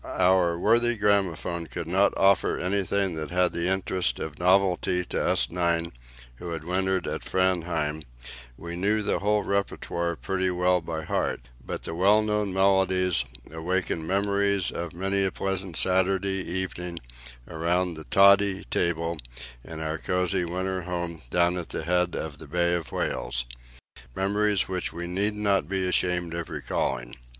Our worthy gramophone could not offer anything that had the interest of novelty to us nine who had wintered at Framheim: we knew the whole repertoire pretty well by heart; but the well known melodies awakened memories of many a pleasant Saturday evening around the toddy table in our cosy winter home down at the head of the Bay of Whales memories which we need not be ashamed of recalling.